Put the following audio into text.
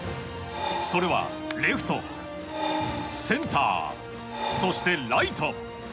それは、レフトセンター、そしてライト。